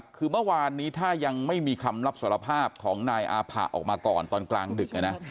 คือเมื่อวานนี้ถ้ายังไม่มีคำรับสารภาพของนายอาผะออกมาก่อนตอนกลางดึก